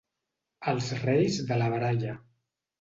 Els reis de la baralla.